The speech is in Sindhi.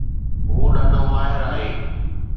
هو ڏاڍو ماهر آهي